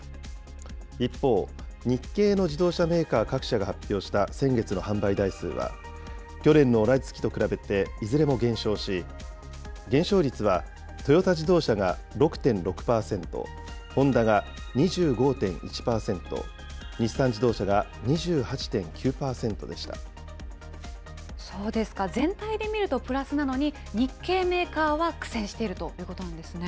一方、日系の自動車メーカー各社が発表した先月の販売台数は、去年の同じ月と比べていずれも減少し、減少率はトヨタ自動車が６．６％、ホンダが２５．１％、そうですか、全体で見るとプラスなのに、日系メーカーは苦戦しているということなんですね。